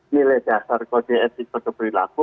nilai dasar kode etik kode perilaku